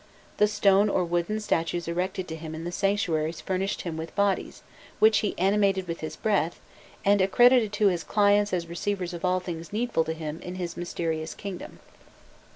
The stone or wooden statues erected to him in the sanctuaries furnished him with bodies, which he animated with his breath, and accredited to his clients as the receivers of all things needful to him in his mysterious kingdom.